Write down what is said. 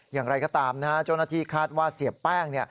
อย่างไรก็ตามนะฮะเจ้าหน้าที่คาดว่าเสียแป้ง